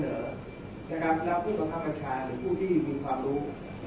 แล้วกับผู้หนาบประชาหรือผู้ที่มีความรู้